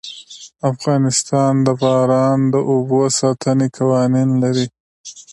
افغانستان د باران د اوبو د ساتنې قوانين لري.